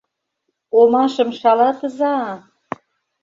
— Омашым шалатыза!